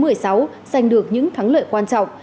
giành được những thắng lợi quan trọng